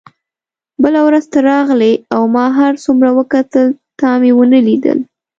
بله ورځ ته راغلې او ما هر څومره وکتل تا مې ونه لیدل.